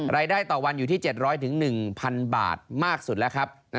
รายได้ต่อวันอยู่ที่เจ็ดร้อยถึงหนึ่งพันบาทมากสุดแล้วครับ